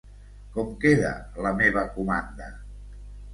Com queda la meva comanda?